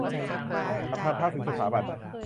จากทางเท้าถึงสถาบัน